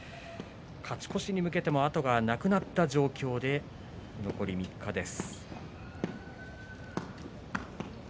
勝ち越しに向けても後がなくなった状況で残り３日です。